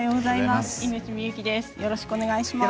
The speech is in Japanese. よろしくお願いします。